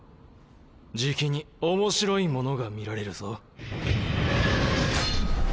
じきに面白いものが見られるぞ。